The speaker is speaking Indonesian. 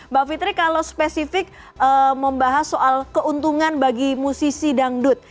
mbak fitri kalau spesifik membahas soal keuntungan bagi musisi dangdut